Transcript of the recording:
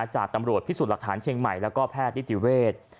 จากตำรวจพิสูจน์หลักฐานเชียงใหม่แล้วก็แพทย์นิติเวศ